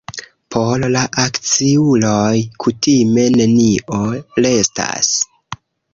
Por la akciuloj kutime nenio restas.